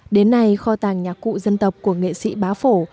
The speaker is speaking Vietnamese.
đến nay kho tàng nhạc cụ dân tộc của nghệ sĩ bá phổ